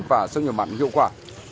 và sông nhầm mặn hiệu quả